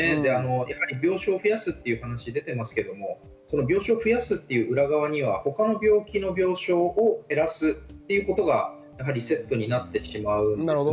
やはり病床を増やすという話が出ていますけれど、病床を増やして、裏側では他の病気の病床を減らすということがセットになってしまうんですね。